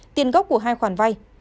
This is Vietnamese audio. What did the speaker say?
tiền gốc của hai khoản vay